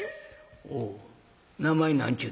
「おう名前何ちゅうねや？